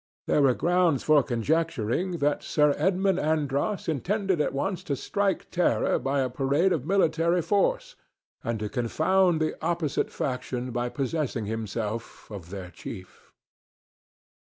There were grounds for conjecturing that Sir Edmund Andros intended at once to strike terror by a parade of military force and to confound the opposite faction by possessing himself of their chief.